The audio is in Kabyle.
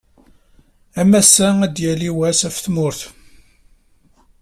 Am wass-a ad yali wass ɣef tmurt.